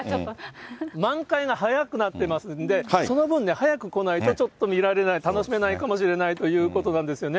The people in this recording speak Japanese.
満開が早くなってますんで、その分ね、早く来ないとちょっと見られない、楽しめないかもしれないということなんですよね。